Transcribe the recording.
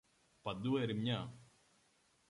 Παντού ερημιά.